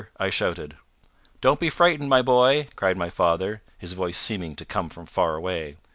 I shouted. "Don't be frightened, my boy," cried my father, his voice seeming to come from far away.